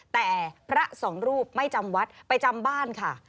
แต่พระสองรูปไม่จำวัดไปจำบ้านค่ะ